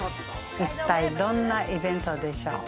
一体どんなイベントでしょう？